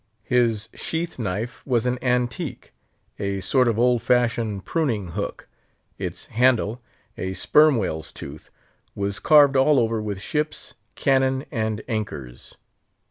His sheath knife was an antique—a sort of old fashioned pruning hook; its handle—a sperm whale's tooth—was carved all over with ships, cannon, and anchors.